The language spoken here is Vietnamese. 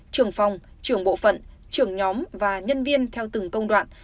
trưởng phòng trưởng bộ phận trưởng nhóm và nhân viên theo từng công đoạn